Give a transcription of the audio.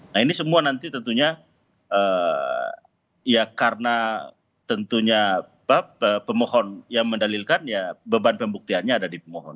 nah ini semua nanti tentunya ya karena tentunya pemohon yang mendalilkan ya beban pembuktiannya ada di pemohon